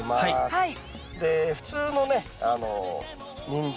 はい。